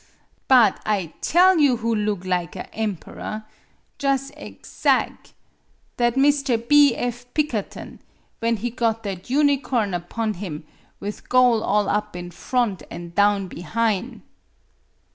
But I tell you who loog lig a' emperor jus' ezag' that Mr. B. F. Pikker ton, when he got that unicorn upon him, with gole all up in front an' down behine!"